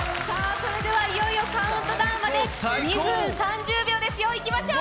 それではいよいよカウントダウンまで２分３０秒ですよ、いきましょう！